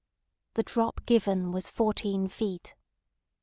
"The drop given was fourteen feet."